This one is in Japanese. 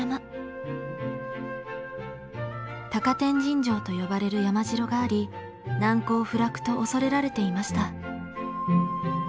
高天神城と呼ばれる山城があり難攻不落と恐れられていました。